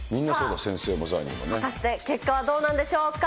果たして、結果はどうなんでしょうか。